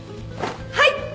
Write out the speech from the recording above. はい！